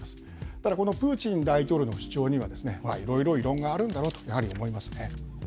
ただこのプーチン大統領の主張には、いろいろ異論があるんだろうと思いますね。